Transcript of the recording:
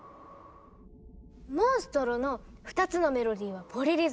モンストロの２つのメロディーはポリリズム。